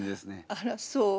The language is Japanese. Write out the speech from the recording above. あらそう？